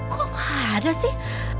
kok gak ada sih